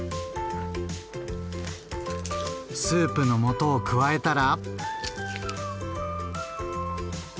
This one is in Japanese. スープの素を加えたら。